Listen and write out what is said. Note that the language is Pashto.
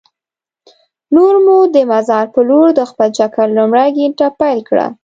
نور مو د مزار په لور د خپل چکر لومړۍ ګېنټه پیل کړه.